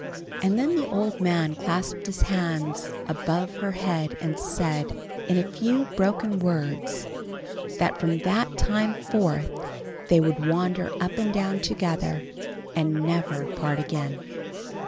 And then the old man clasped his hands above her head and said, in a few broken words, that from that time forth they would wander up and down together, and never part again.